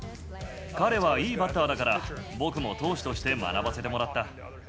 彼はいいバッターだから、僕も投手として学ばせてもらった。